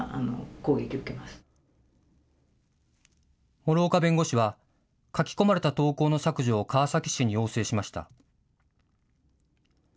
師岡弁護士は書き込まれた投稿の削除を川崎市に要請しました。